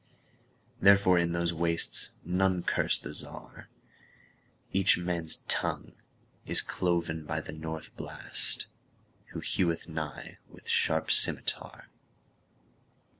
Therefore, in those wastesNone curse the Czar.Each man's tongue is cloven byThe North Blast, who heweth nighWith sharp scymitar.